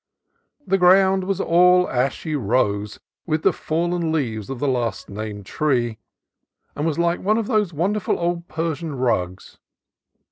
The ground was all ashy rose with the fallen leaves of the last named tree, and was like one of those wonderful old Persian rugs.